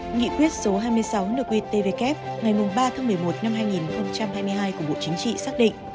nghị quyết số hai mươi sáu nợ quyết tvkf ngày ba một mươi một hai nghìn hai mươi hai của bộ chính trị xác định